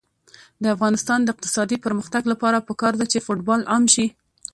د افغانستان د اقتصادي پرمختګ لپاره پکار ده چې فوټبال عام شي.